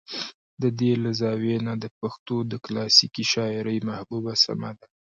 د دې له زاويې نه د پښتو د کلاسيکې شاعرۍ محبوبه سمه ده